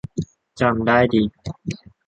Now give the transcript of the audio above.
จำได้ดิ